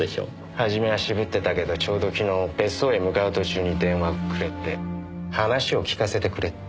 初めは渋ってたけどちょうど昨日別荘へ向かう途中に電話くれて話を聞かせてくれって。